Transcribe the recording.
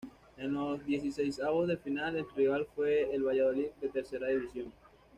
En los dieciseisavos de final, el rival fue el Valladolid, de tercera división.